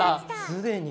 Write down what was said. すでに。